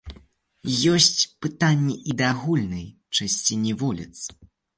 Ёсць пытанні і да агульнай чысціні вуліц.